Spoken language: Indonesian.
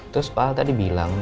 terus pak al tadi bilang